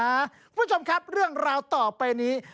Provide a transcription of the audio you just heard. คุณผู้ชมครับเรื่องราวต่อไปนี้